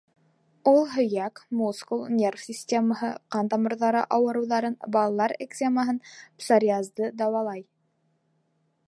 Ул һөйәк, мускул, нервы системаһы, ҡан тамырҙары ауырыуҙарын, балалар экземаһын, псориазды дауалай.